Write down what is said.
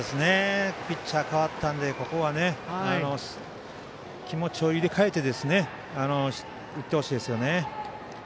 ピッチャーが代わったのでここは、気持ちを入れ替えて打ってほしいですね。